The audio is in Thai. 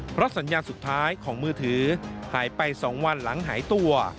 เพราะสัญญาณสุดท้ายของมือถือหายไป๒วันหลังหายตัว